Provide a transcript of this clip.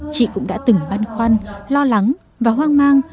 chị cũng đã từng băn khoăn lo lắng và hoang mang